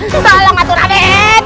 tolong atu raden